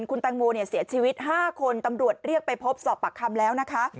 คุณแตงโมเสียชีวิต๕คนตำรวจเรียกไปพบสอบปากคำแล้วนะคะ